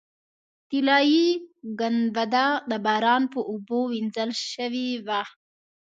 طلایي ګنبده د باران په اوبو وینځل شوې وه.